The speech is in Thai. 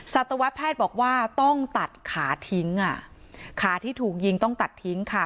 สัตวแพทย์บอกว่าต้องตัดขาทิ้งอ่ะขาที่ถูกยิงต้องตัดทิ้งค่ะ